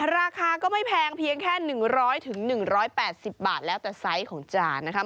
ราคาก็ไม่แพงเพียงแค่๑๐๐๑๘๐บาทแล้วแต่ไซส์ของจานนะคะ